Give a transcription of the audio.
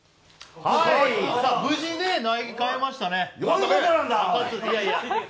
無事苗木買えましたね。